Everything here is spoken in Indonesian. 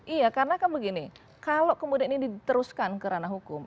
iya karena kan begini kalau kemudian ini diteruskan ke ranah hukum